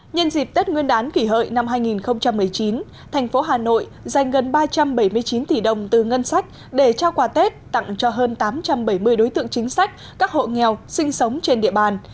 nhân dịp tết nguyên đán kỷ hợi năm hai nghìn một mươi chín thành phố hà nội dành gần ba trăm bảy mươi chín tỷ đồng từ ngân sách để trao quà tết tặng cho hơn tám trăm bảy mươi đối tượng chính sách các hộ nghèo sinh sống trên địa bàn